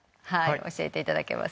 教えていただけますか？